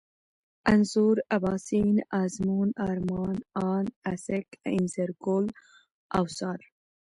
انځور ، اباسين ، ازمون ، ارمان ، اند، اڅک ، انځرگل ، اوڅار